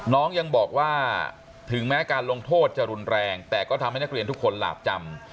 น้องยังบอกว่าถึงแม้การลงโทษจะรุนแรงแต่ก็ทำให้นักเรียนทุกคนหลาบจำ